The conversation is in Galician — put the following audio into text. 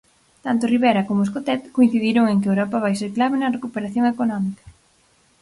Tanto Rivera como Escotet coincidiron en que Europa vai ser clave na recuperación económica.